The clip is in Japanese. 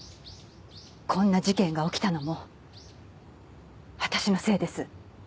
こんな事件が起きたのも私のせいです。